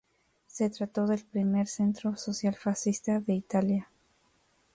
Se trató del primer centro social fascista de Italia.